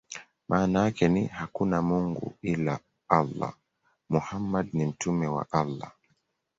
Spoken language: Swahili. Maana yake ni: "Hakuna mungu ila Allah; Muhammad ni mtume wa Allah".